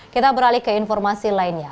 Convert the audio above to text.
kita beralih ke informasi lainnya